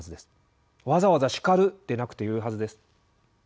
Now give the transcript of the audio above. わざわざ「叱る」でなくてよいはずです。